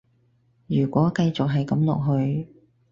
如果繼續係噉落去